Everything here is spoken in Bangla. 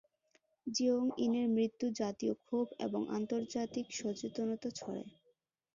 জিওং-ইনের মৃত্যু জাতীয় ক্ষোভ এবং আন্তর্জাতিক সচেতনতা ছড়ায়।